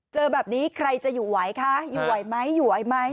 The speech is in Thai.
เจอแบบนี้ใครจะอยู่ไหวคะอยู่ไหวไหมอยู่ไหวไหม